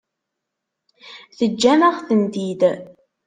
Teǧǧam-aɣ-tent-id.